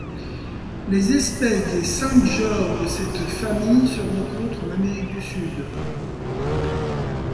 Les espèces des cinq genres de cette famille se rencontrent en Amérique du Sud.